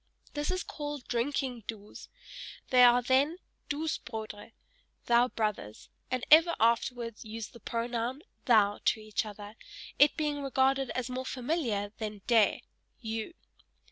This is called drinking "Duus": they are then, "Duus Brodre," (thou brothers) and ever afterwards use the pronoun "thou," to each other, it being regarded as more familiar than "De," (you).